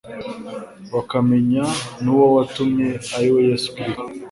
bakamenya n'Uwo watumye, ari we Yesu Kristo.»